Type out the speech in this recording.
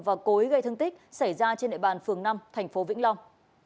và cối gây thương tích xảy ra trên nệ bàn phường năm thành phố vĩnh long